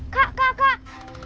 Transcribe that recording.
kak kak kak